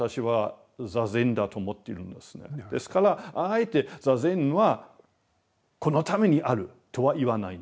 ですからあえて坐禅はこのためにあるとは言わないんですね。